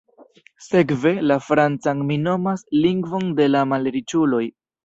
Sekve, la francan mi nomas “lingvon de la malriĉuloj“.